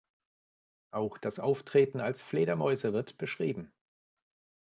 Auch das Auftreten als Fledermäuse wird beschrieben.